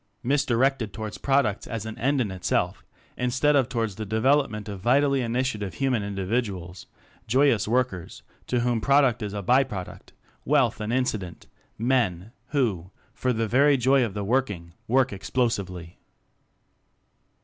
Misdirected towards products as an end in itself, instead of towards the development of vitally initiative human individuals joyous workers, to whom product is a by product, wealth an incident MEN, who, for the very joy of the working, work explosively?